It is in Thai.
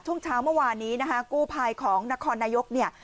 ช่วงเช้าเมื่อวานนี้นะคะกู้ภัยของนครนายกเนี่ย